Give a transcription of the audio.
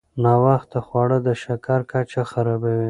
ناوخته خواړه د شکر کچه خرابوي.